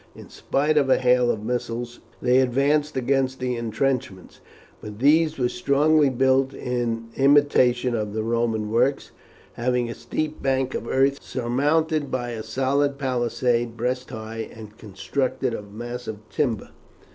In spite of a hail of missiles they advanced against the intrenchments; but these were strongly built in imitation of the Roman works, having a steep bank of earth surmounted by a solid palisade breast high, and constructed of massive timber.